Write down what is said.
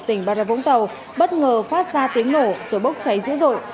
tỉnh bà rập vũng tàu bất ngờ phát ra tiếng nổ rồi bốc cháy dữ dội